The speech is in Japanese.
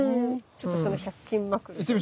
ちょっとその１００均マクロで。